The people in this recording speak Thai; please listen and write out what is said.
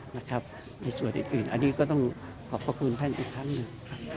ในส่วนอื่นอันนี้ก็ต้องขอบพระคุณท่านอีกครั้งหนึ่ง